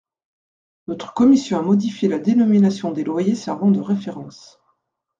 Notre commission a modifié la dénomination des loyers servant de référence.